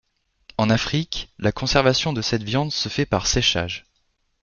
En Afrique, la conservation de cette viande se fait par séchage.